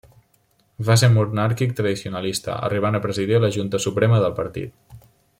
Va ser monàrquic tradicionalista, arribant a presidir la Junta Suprema del partit.